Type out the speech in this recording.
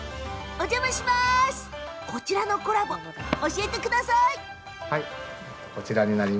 こちらのコラボ、教えてください。